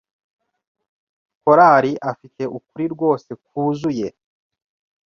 Karoli afite ukuri rwose kwuzuye.